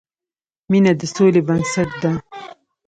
مینه د سولې بنسټ ده.